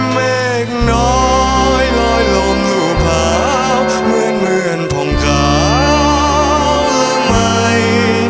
เมฆน้อยลอยลมลูบเผาเมื่อนเมื่อนผ่องกาวละไหม